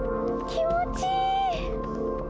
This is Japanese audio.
気持ちいい！